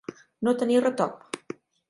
No tenir retop.